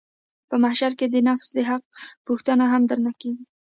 په محشر کښې د نفس د حق پوښتنه هم درنه کېږي.